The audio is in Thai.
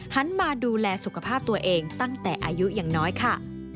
หันมาดูแลสุขภาพตัวเองตั้งแต่อายุอย่างน้อยค่ะ